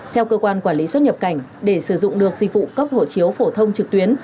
theo cơ quan quản lý xuất nhập cảnh để sử dụng được dịch vụ cấp hộ chiếu phổ thông trực tuyến